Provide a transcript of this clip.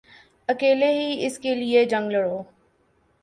اکیلے ہی اس کیلئے جنگ لڑو